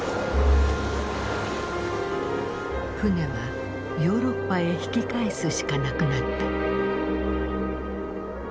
船はヨーロッパへ引き返すしかなくなった。